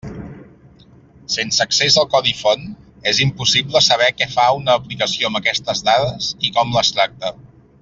Sense accés al codi font és impossible saber què fa una aplicació amb aquestes dades, i com les tracta.